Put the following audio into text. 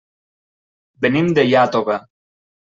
Venim de Iàtova.